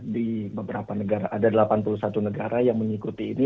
di beberapa negara ada delapan puluh satu negara yang mengikuti ini